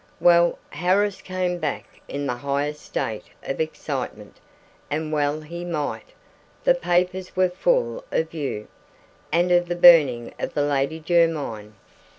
Well, Harris came back in the highest state of excitement: and well he might: the papers were full of you, and of the burning of the Lady Jermyn!